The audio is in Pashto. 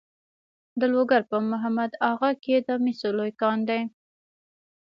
د لوګر په محمد اغه کې د مسو لوی کان دی.